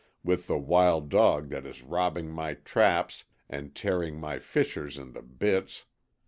with the wild dog that is robbing my traps and tearing my fishers into bits.